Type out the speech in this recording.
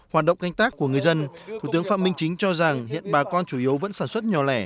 hoạt động canh tác của người dân thủ tướng phạm minh chính cho rằng hiện bà con chủ yếu vẫn sản xuất nhỏ lẻ